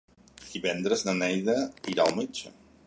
Divendres na Neida irà al metge.